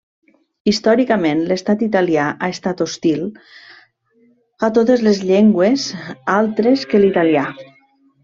Històricament l'Estat italià ha estat hostil a totes les llengües altres que l'italià.